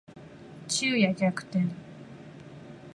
昼夜逆転